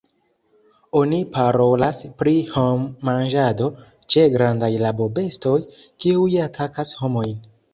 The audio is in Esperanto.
Oni parolas pri hom-manĝado ĉe grandaj rabobestoj, kiuj atakas homojn.